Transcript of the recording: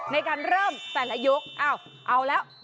ในการเริ่มแต่ละยุคเอ้าเอาแล้ว